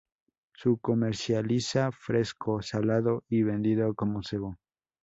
Se comercializa fresco, salado y vendido como cebo.